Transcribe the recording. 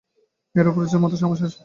মেয়েরাও পুরুষদের মত সমান সাহসী।